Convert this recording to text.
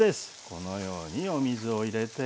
このようにお水を入れて。